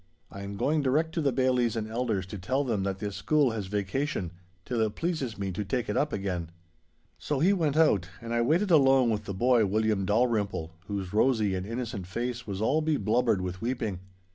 'I am going direct to the bailies and elders to tell them that this school has vacation till it pleases me to take it up again.' So he went out and I waited alone with the boy William Dalrymple, whose rosy and innocent face was all beblubbered with weeping.